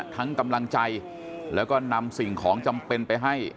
กำลังใจแล้วก็นำสิ่งของจำเป็นไปให้